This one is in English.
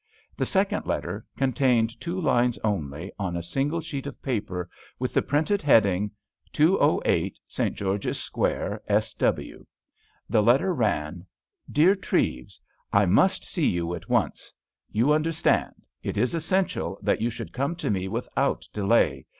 The second letter contained two lines only on a single sheet of paper with the printed heading: "208, St. George's Square, S.W." The letter ran: "_Dear Treves,—I must see you at once. You understand; it is essential that you should come to me without delay.